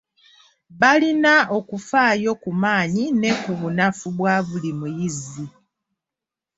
Balina okufaayo ku maanyi ne ku bunafu bwa buli muyizi.